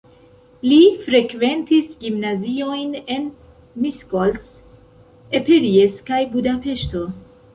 Li frekventis gimnaziojn en Miskolc, Eperjes kaj Budapeŝto.